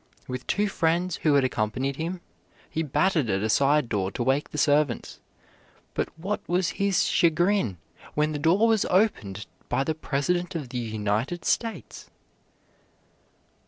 With two friends who had accompanied him, he battered at a side door to wake the servants, but what was his chagrin when the door was opened by the President of the United States!